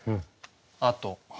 あと。